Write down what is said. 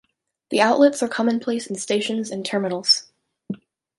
The outlets are commonplace in stations and terminals.